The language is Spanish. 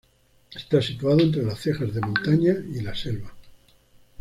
Está situado entre la ceja de montaña y la selva.